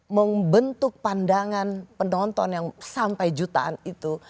membentuk pandangan penonton yang sampai jutaan itu